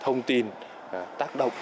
thông tin tác động